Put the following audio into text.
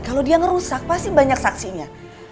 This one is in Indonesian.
kalau dia ngerusak pasti banyak saksinya